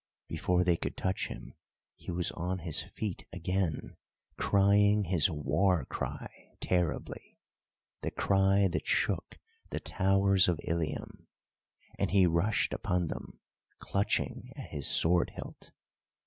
Before they could touch him he was on his feet again, crying his war cry terribly, the cry that shook the towers of Ilium, and he rushed upon them, clutching at his sword hilt.